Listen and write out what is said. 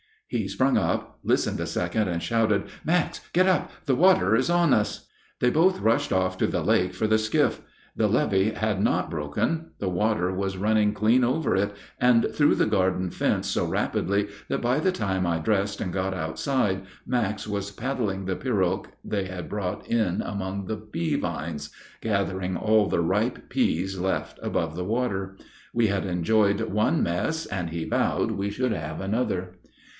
He sprung up, listened a second, and shouted: "Max, get up! The water is on us!" They both rushed off to the lake for the skiff. The levee had not broken. The water was running clean over it and through the garden fence so rapidly that by the time I dressed and got outside Max was paddling the pirogue they had brought in among the pea vines, gathering all the ripe peas left above the water. We had enjoyed one mess, and he vowed we should have another.